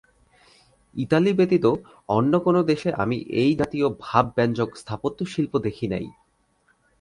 Italy ব্যতীত অন্য কোন দেশে আমি এই জাতীয় ভাবব্যঞ্জক স্থাপত্যশিল্প দেখি নাই।